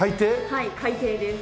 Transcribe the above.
はい海底です。